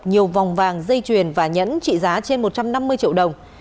nhiều vòng vàng dây chuyền và nhẫn trị giá trên một trăm năm mươi triệu đồng